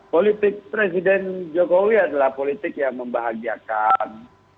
politik presiden jokowi adalah politik yang membahagiakan